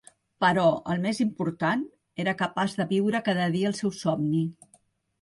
Però, el més important, era capaç de viure cada dia el seu somni.